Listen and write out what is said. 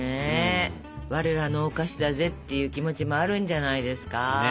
「我らのお菓子だぜ」っていう気持ちもあるんじゃないですか？